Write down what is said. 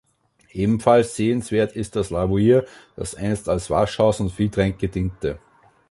Ebenfalls sehenswert ist das Lavoir, das einst als Waschhaus und Viehtränke diente.